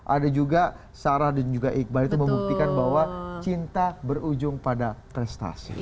ada juga sarah dan juga iqbal itu membuktikan bahwa cinta berujung pada prestasi